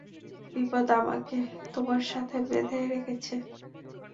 বিপদ আমাকে তোমার সাথে বেঁধে রেখেছে।